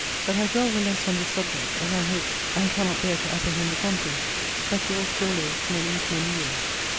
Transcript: But I dwell the less on this subject, as I hope (and cannot bear to apprehend the contrary) that you will still live many, many years.